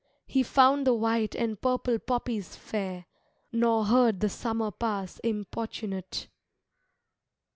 He found the white and purple poppies fair, Nor heard the Summer pass importunate.